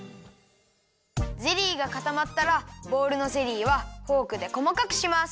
ゼリーがかたまったらボウルのゼリーはフォークでこまかくします。